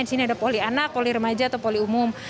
di sini ada poli anak poli remaja atau poli umum